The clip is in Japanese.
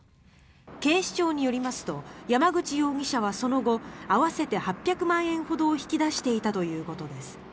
警視庁によりますと山口容疑者はその後合わせて８００万円ほどを引き出していたということです。